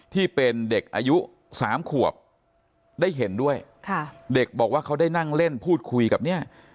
ที่เป็นเด็กอายุสามขวบได้เห็นด้วยค่ะเด็กบอกว่าเขาได้นั่งเล่นพูดคุยกับเนี่ย